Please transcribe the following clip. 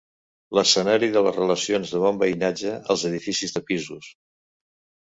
L'escenari de les relacions de bon veïnatge als edificis de pisos.